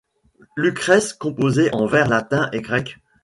Lucrèce composait en vers latins et grecs.